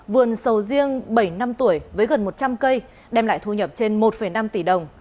vườn sầu riêng bảy năm tuổi với gần một trăm linh cây đem lại thu nhập trên một năm tỷ đồng